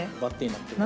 なってる？